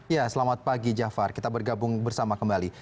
ya selamat pagi jafar kita bergabung bersama kembali